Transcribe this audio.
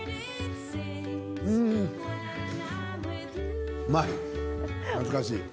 うーん、うまい。懐かしい。